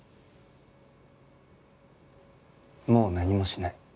もう何もしない。